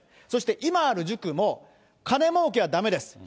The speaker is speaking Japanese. そして今ある塾も、金もうけはだめです。